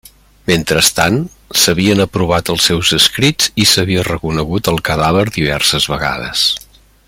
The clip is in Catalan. Mentrestant, s'havien aprovat els seus escrits i s'havia reconegut el cadàver diverses vegades.